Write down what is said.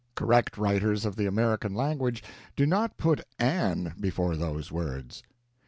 Correct writers of the American language do not put an before those words."